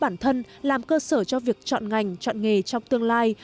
bản thân làm cơ sở cho việc chọn ngành chọn nghề trong tương lai